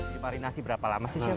dimarinasi berapa lama sih chef